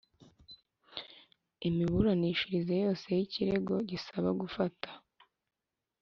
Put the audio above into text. Imiburanishirize yose y ikirego gisaba gufata